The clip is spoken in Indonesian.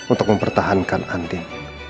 untuk mempertahankan andin